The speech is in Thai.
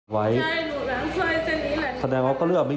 ไว้แสดงว่าก็เลื่อมไม่เยอะ